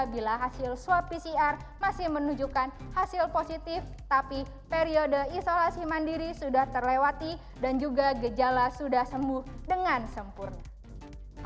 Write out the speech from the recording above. bila hasil swab pcr masih menunjukkan hasil positif tapi periode isolasi mandiri sudah terlewati dan juga gejala sudah sembuh dengan sempurna